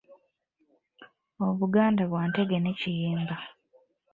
Obuganda bwa Ntege ne Kiyimba.